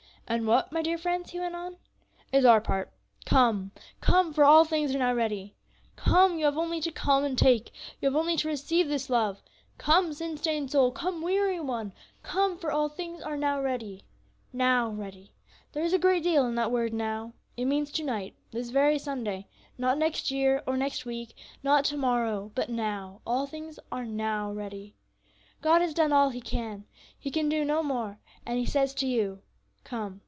"And what, my dear friends," he went on, "is our part? Come; 'come, for all things are now ready.' Come, you have only to come and take; you have only to receive this love. Come, sin stained soul; come, weary one; 'come, for all things are now ready.' Now ready. There is a great deal in that word 'now.' It means to night, this very Sunday; not next year, or next week; not to morrow, but now, all things are now ready. God has done all He can, He can do no more, and He says to you, 'Come!'